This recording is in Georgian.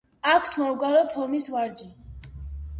აქვს მომრგვალო ფორმის ვარჯი.